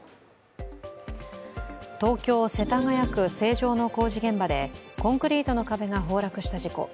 東京・世田谷区成城の工事現場でコンクリートの壁が崩落した事故。